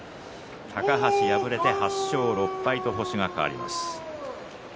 高橋、敗れて８勝６敗と星が変わります。